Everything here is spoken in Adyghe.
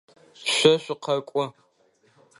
Шъо шъукъэкӏо.